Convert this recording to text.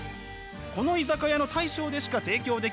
この居酒屋の大将でしか提供できない癒やし。